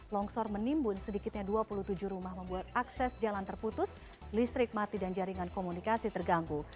longsor menimbun sedikitnya dua puluh tujuh rumah membuat akses jalan terputus listrik mati dan jaringan komunikasi terganggu